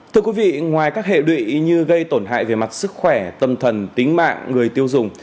thưa quý vị ngoài các hệ lụy như gây tổn hại về mặt sức khỏe tâm thần tính mạng người tiêu dùng